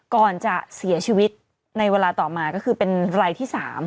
ก่อนจะเสียชีวิตในเวลาต่อมาก็คือเป็นรายที่๓